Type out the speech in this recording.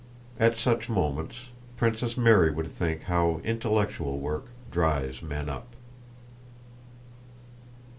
At such moments Princess Mary would think how intellectual work dries men up.